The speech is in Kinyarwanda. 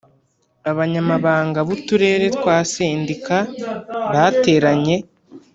Abanyamabanga b’Uturere twa sendika bateranye